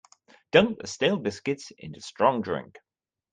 Dunk the stale biscuits into strong drink.